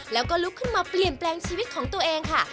แล้วก็ลุกขึ้นมาเปลี่ยนแปลงชีวิตของตัวเองค่ะ